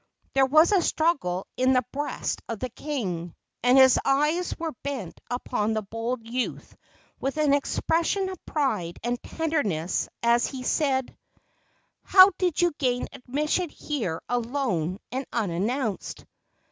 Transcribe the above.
There was a struggle in the breast of the king, and his eyes were bent upon the bold youth with an expression of pride and tenderness as he said: "How did you gain admission here alone and unannounced?"